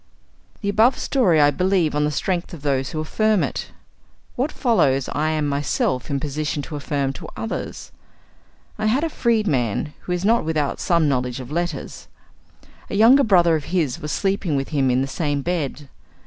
The above story I believe on the strength of those who affirm it. What follows I am myself in a position to affirm to others. I have a freedman, who is not without some knowledge of letters. A younger brother of his was sleeping with him in the same bed.